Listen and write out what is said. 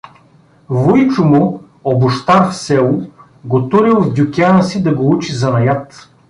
Вуйчо му, обущар в село, го турил в дюкяна си да го учи занаят.